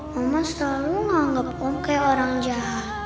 mama selalu nganggep om kayak orang jahat